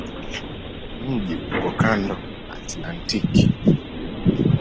Mji uko kando la Atlantiki.